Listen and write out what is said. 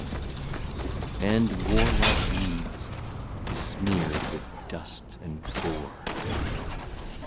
} And Warlike Weeds besmeer'd with Dust and Gore.